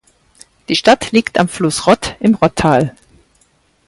Die Stadt liegt am Fluss Rott im Rottal.